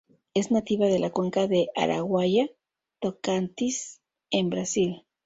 Es nativa de la cuenca del Araguaia-Tocantins en Brasil.